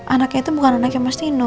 anaknya itu bukan anaknya mas dino